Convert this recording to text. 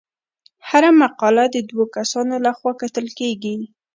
هره مقاله د دوه کسانو لخوا کتل کیږي.